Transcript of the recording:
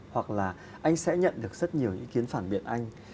hoặc là anh sẽ nhận được rất nhiều ý kiến